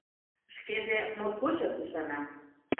Шкеже моткочак ӱшана.